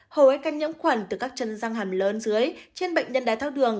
hầu hết căn nhiễm khuẩn từ các chân răng hàm lớn dưới trên bệnh nhân đáy thác đường